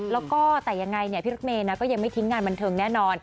แล้วก็แต่ยังไงพี่รถเมย์ก็ยังไม่ทิ้งงานบันเทิงแน่นอน